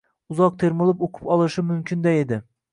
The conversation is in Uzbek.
Uzoq termulib uqib olishi mumkinday edi.